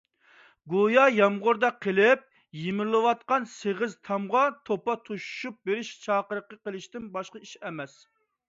گويا يامغۇردا قېلىپ يېمىرىلىۋاتقان سېغىز تامغا توپا توشۇشۇپ بېرىش چاقىرىقى قىلىشتىن باشقا ئىش ئەمەس.